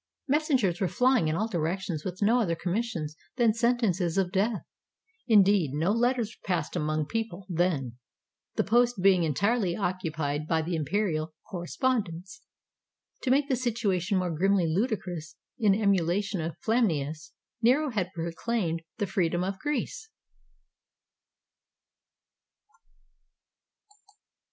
Messengers were flying in all directions with no other commissions than sentences of death. Indeed, no letters passed among people then, the post being entirely occupied by the im perial correspondence." To make the situation more grimly ludicrous, in emu lation of Flaminius, Nero had proclaimed the freedom of Greece!